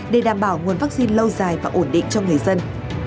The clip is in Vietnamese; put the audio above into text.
để đảm bảo nguồn vaccine lâu dài và ổn định cho người dân